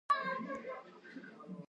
څومره اوبه څښئ؟